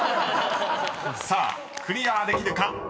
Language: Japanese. ［さあクリアできるか？